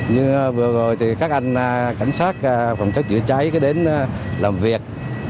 như vừa rồi thì các anh cảnh sát phòng cháy chứa cháy cứ đến làm việc